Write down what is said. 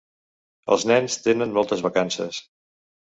Els nens tenen moltes vacances.